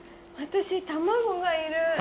私卵がいる。